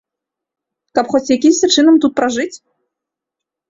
Каб хоць якімсьці чынам тут пражыць?